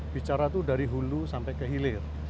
bicara itu dari hulu sampai ke hilir